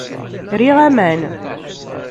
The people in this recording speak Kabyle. Riɣ aman.